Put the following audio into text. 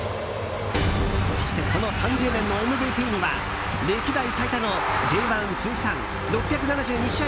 そして、この３０年のＭＶＰには歴代最多のＪ１通算６７２試合